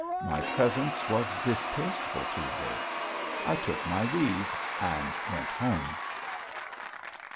My presence was distasteful to her. I took my leave and went home.